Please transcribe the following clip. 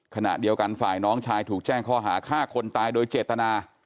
ขณะเดียวกันฝ่ายน้องชายถูกแจ้งข้อหาฆ่าคนตายโดยเจตนา